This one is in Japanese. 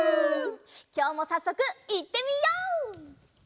きょうもさっそくいってみよう！